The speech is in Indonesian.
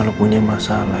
kalau punya masalah